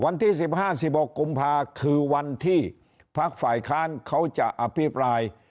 ในบอกกุมภาคือวันที่ภาคฝ่ายค้านเขาจะอภิปราย